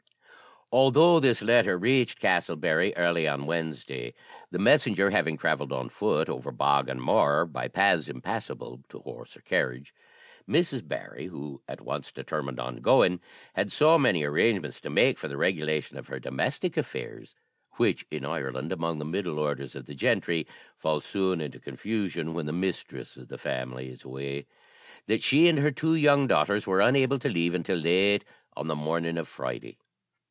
Although this letter reached Castle Barry early on Wednesday, the messenger having travelled on foot over bog and moor, by paths impassable to horse or carriage, Mrs. Barry, who at once determined on going, had so many arrangements to make for the regulation of her domestic affairs (which, in Ireland, among the middle orders of the gentry, fall soon into confusion when the mistress of the family is away), that she and her two young daughters were unable to leave until late on the morning of Friday.